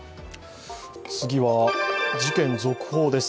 次は、事件続報です。